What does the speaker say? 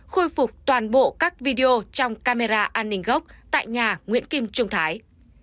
khôi phục toàn bộ các video trong camera an ninh gốc tại nhà nguyễn kim trung thái